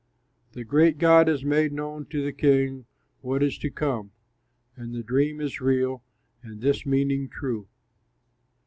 "The great God has made known to the king what is to come, and the dream is real and this meaning true."